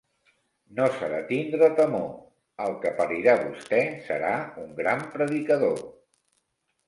No s'ha de tindre temor: el que parirà vosté serà un gran predicador.